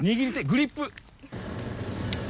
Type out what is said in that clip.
グリップ。